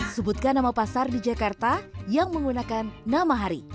sebutkan nama pasar di jakarta yang menggunakan nama hari